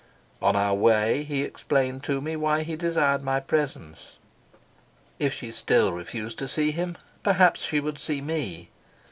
On our way he explained to me why he desired my presence; if she still refused to see him, perhaps she would see me.